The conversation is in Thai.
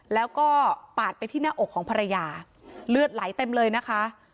แล้วก็ปาดไปที่หน้าอกของภรรยาเลือดไหลเต็มเลยนะคะ